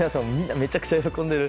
めちゃくちゃ喜んでいる。